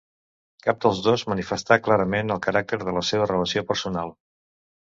Cap dels dos manifestà clarament el caràcter de la seva relació personal.